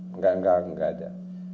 enggak enggak enggak ada